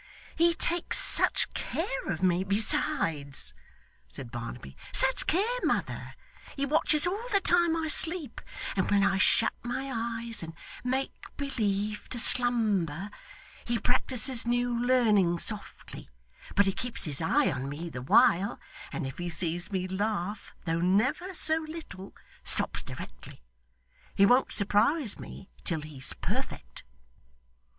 'He takes such care of me besides!' said Barnaby. 'Such care, mother! He watches all the time I sleep, and when I shut my eyes and make believe to slumber, he practises new learning softly; but he keeps his eye on me the while, and if he sees me laugh, though never so little, stops directly. He won't surprise me till he's perfect.